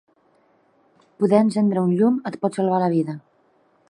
Poder encendre un llum et pot salvar la vida.